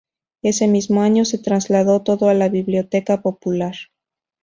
Ese mismo año se trasladó todo a la Biblioteca Popular.